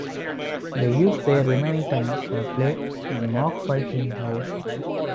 They use their remaining time for play and mock fights in the ocean.